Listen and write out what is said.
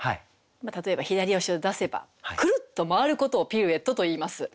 例えば左足を出せばくるっと回ることをピルエットといいます。